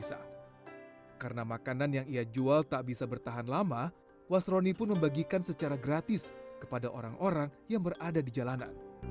saya khawatir sendiri kalau sampai ini berpanjang